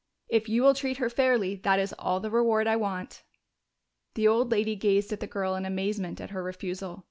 If you will treat her fairly, that is all the reward I want." The old lady gazed at the girl in amazement at her refusal.